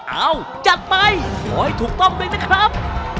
เอาจัดไปขอให้ถูกต้องเลยนะครับ